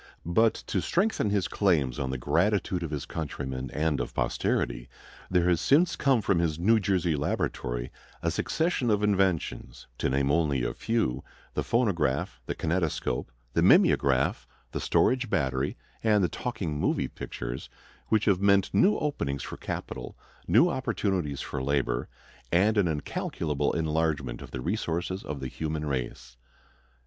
But to strengthen his claims on the gratitude of his countrymen and of posterity there has since come from his New Jersey laboratory a succession of inventions, to name only a few, the phonograph, the kinetoscope, the mimeograph, the storage battery, and the "talking moving pictures," which have meant new openings for capital, new opportunities for labor, and an incalculable enlargement of the resources of the human race.